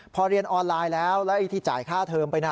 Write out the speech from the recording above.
พอเรียนออนไลน์แล้วแล้วไอ้ที่จ่ายค่าเทิมไปนะ